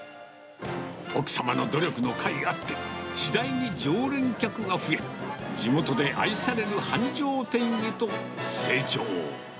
奥様の努力のかいあって、次第に常連客が増え、地元で愛される繁盛店へと成長。